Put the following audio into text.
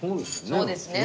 そうですね。